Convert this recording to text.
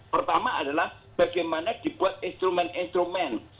pertama adalah bagaimana dibuat instrumen instrumen